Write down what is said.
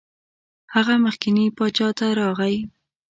هغه مخکني باچا ته راغی.